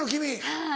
はい。